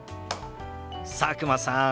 佐久間さん